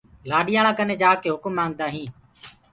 لآڏياݪآنٚ ڪني جآڪي هُڪم مآنگدآ هينٚ۔